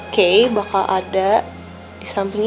kei bakal ada di samping ibu